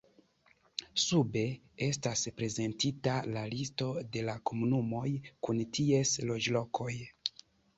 Sube estas prezentita la listo de la komunumoj kun ties loĝlokoj.